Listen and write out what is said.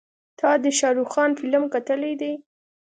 تا د شارخ خان فلم کتلی دی.